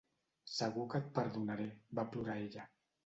Segur que et perdonaré, va plorar ella.